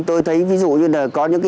tôi thấy ví dụ như là có những